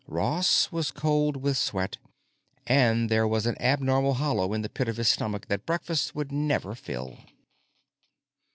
Ross was cold with sweat, and there was an abnormal hollow in the pit of his stomach that breakfast would never fill.